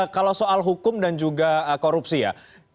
kalau soal hukum dan juga korupsi ya